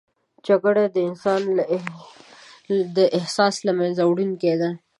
جګړه د انسان د احساس له منځه وړونکې ده